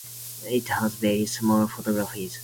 It has very small photophores.